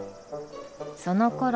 そのころ